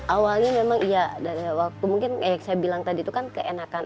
awalnya memang iya waktu mungkin kayak saya bilang tadi itu kan keenakan